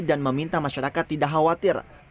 dan meminta masyarakat tidak khawatir